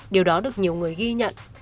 điều đó được nhiều người ghi nhận